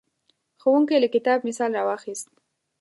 ښوونکی له کتاب مثال راواخیست.